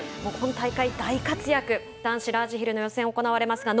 この大会大活躍、男子ラージヒルの予選行われます。